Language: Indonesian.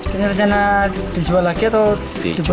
dengan rencana dijual lagi atau dibuat sendiri